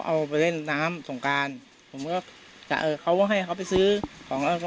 เอาไปเล่นน้ำสงการผมก็จะเอ่อเขาก็ให้เขาไปซื้อของแล้วก็